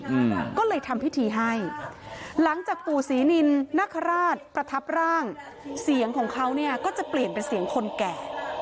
อืมก็เลยทำพิธีให้หลังจากปู่ศรีนินนคราชประทับร่างเสียงของเขาเนี่ยก็จะเปลี่ยนเป็นเสียงคนแก่